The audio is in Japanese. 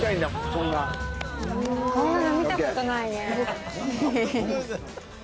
こんなの見たことないね。